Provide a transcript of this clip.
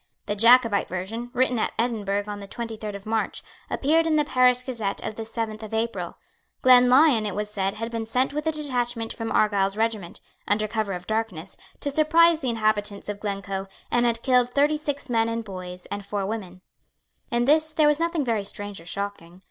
The Jacobite version, written at Edinburgh on the twenty third of March, appeared in the Paris Gazette of the seventh of April. Glenlyon, it was said, had been sent with a detachment from Argyle's regiment, under cover of darkness, to surprise the inhabitants of Glencoe, and had killed thirty six men and boys and four women. In this there was nothing very strange or shocking.